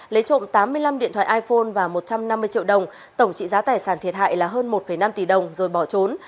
lấy trộm tám mươi năm điện thoại iphone và một trăm năm mươi triệu đồng tổng trị giá tài sản thiệt hại là hơn một năm tỷ đồng rồi bỏ trốn